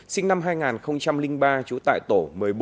sinh năm hai nghìn ba trú tại tổ một mươi bốn